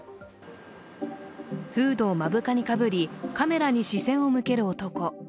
フードを目深にかぶりカメラに視線を向ける男。